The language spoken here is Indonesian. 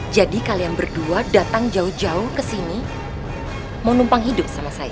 jadi kalian berdua datang jauh jauh kesini mau numpang hidup sama saya